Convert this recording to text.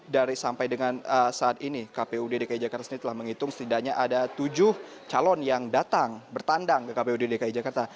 dari sampai dengan saat ini kpu dki jakarta sendiri telah menghitung setidaknya ada tujuh calon yang datang bertandang ke kpud dki jakarta